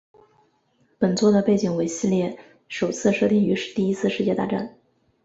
本作的背景为系列首次设定于第一次世界大战。